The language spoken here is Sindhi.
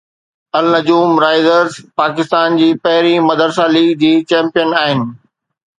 النجوم رائزرز پاڪستان جي پهرين مدرسه ليگ جي چيمپيئن آهن